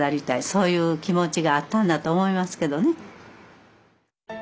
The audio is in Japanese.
そういう気持ちがあったんだと思いますけどね。